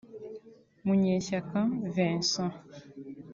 Munyeshyaka Vincent